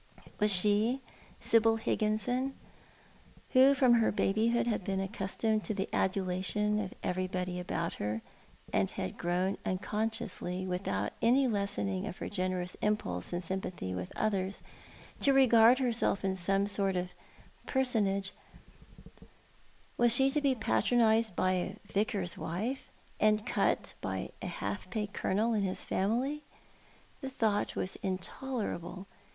Was she, Sibyl Higginson, who from her babyhood had been accustomed to the adulation of everybody about her, and had grown unconsciously — without any lessening of her generous impulses and sympathy with others— to regard herself in some sort as a personage — was she to be patronised by a vicar's wife, and cut by a half pay Colonel and his family? The thought was intolerable.